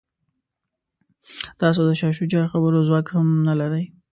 تاسو د شاه شجاع خبرو ځواک هم نه لرئ.